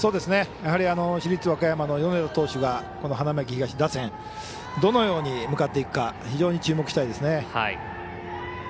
やはり、市立和歌山の米田投手がこの花巻東打線どのように向かっていくか非常に注目したいですね。